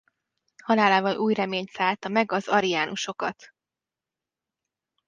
Halálával új remény szállta meg az ariánusokat.